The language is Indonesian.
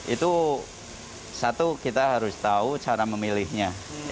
itu satu kita harus tahu cara memilihnya